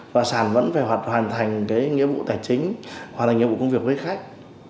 và sản vẫn phải hoàn thành nghĩa vụ tài chính hoàn thành nghĩa vụ công việc với khách